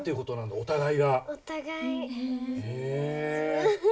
お互い。